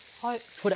ほら。